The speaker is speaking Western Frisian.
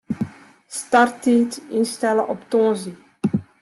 Starttiid ynstelle op tongersdei.